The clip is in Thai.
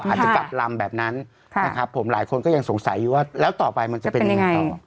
อาจจะกลับลำแบบนั้นนะครับผมหลายคนก็ยังสงสัยอยู่ว่าแล้วต่อไปมันจะเป็นยังไงต่อ